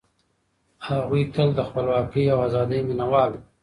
هغوی تل د خپلواکۍ او ازادۍ مينه وال وو.